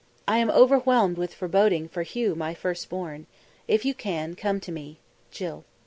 I am overwhelmed with foreboding for Hugh my first born. If you can, come to me. JILL."